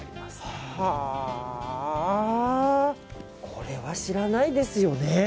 これは知らないですよね。